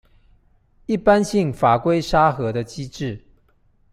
一般性法規沙盒的機制